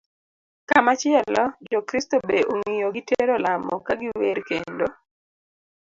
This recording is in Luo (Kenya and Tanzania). Kamachielo, jokristo be ong'iyo gi tero lamo ka giwer kendo